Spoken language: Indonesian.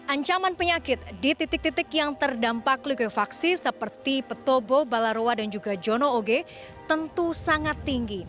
ancaman penyakit di titik titik yang terdampak likuifaksi seperti petobo balaroa dan juga jono oge tentu sangat tinggi